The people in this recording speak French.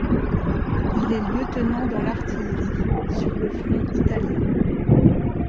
Il est lieutenant dans l'artillerie, sur le front italien.